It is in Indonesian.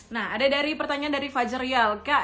nah ada pertanyaan dari fajar yalka